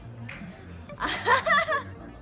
アハハハ